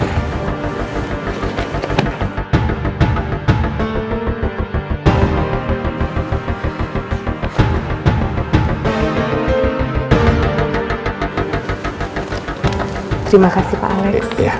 terima kasih pak alex